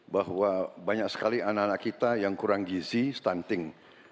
bahwa banyak sekali anak anak kita yang kurang gizi stunting